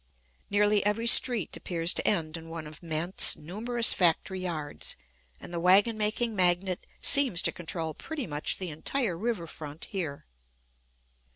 Nearly every street appears to end in one of Mandt's numerous factory yards, and the wagon making magnate seems to control pretty much the entire river front here.